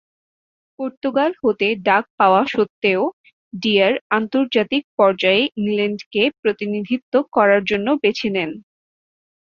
Portugal হতে ডাক পাওয়া সত্ত্বেও, ডিয়ার আন্তর্জাতিক পর্যায়ে ইংল্যান্ডকে প্রতিনিধিত্ব করার জন্য বেছে নেন।